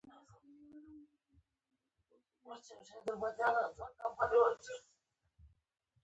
د جنګونو په نتیجه کې سکه ورور محمد امین خان ووژل شو.